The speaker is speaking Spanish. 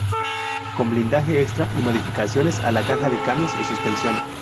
Con blindaje extra y modificaciones a la caja de cambios y suspensión.